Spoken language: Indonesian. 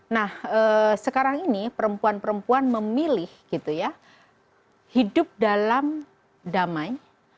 nah sekarang ini perempuan perempuan memilih hidup dalam damai